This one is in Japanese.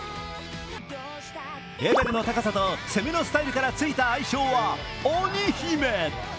レベルの高さと攻めのスタイルからついた愛称は鬼姫。